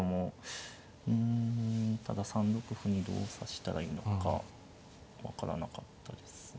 うんただ３六歩にどう指したらいいのか分からなかったですね。